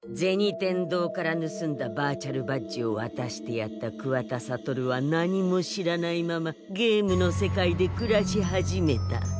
天堂からぬすんだバーチャルバッジをわたしてやった桑田悟は何も知らないままゲームの世界で暮らし始めた。